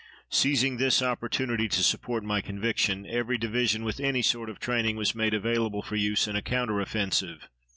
Seizing this opportunity to support my conviction, every division with any sort of training was made available for use in a counter offensive.